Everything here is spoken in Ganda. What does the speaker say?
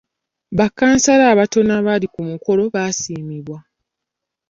Ba kkansala abatono abaali ku mukolo baasiimibwa.